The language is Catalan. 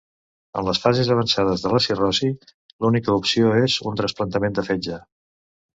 En les fases avançades de la cirrosi l'única opció és un trasplantament de fetge.